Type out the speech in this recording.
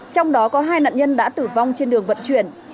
trong đó có hai nạn nhân đã tử vong trên đường vận chuyển